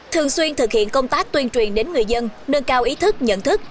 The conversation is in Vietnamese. thường xuyên thực hiện công tác tuyên truyền đến người dân nâng cao ý thức nhận thức